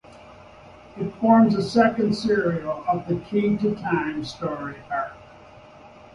It forms the second serial of the "Key to Time" story arc.